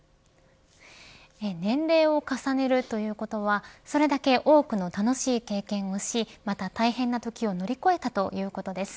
年齢を重ねるということはそれだけ多くの楽しい経験をしまた大変なときを乗り越えたということです。